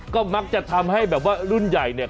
ก็มักจะทำให้แบบว่ารุ่นใหญ่เนี่ย